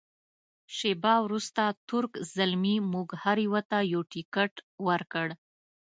شیبه وروسته تُرک زلمي موږ هر یوه ته یو تکټ ورکړ.